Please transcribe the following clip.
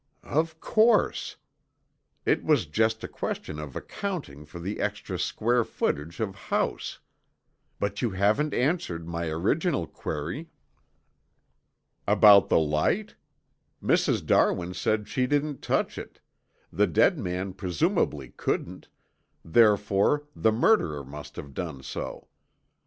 "Of course. It was just a question of accounting for the extra square footage of house. But you haven't answered my original query." "About the light? Mrs. Darwin said she didn't touch it, the dead man presumably couldn't, therefore the murderer must have done so.